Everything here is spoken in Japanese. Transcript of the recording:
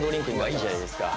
いいじゃないですか。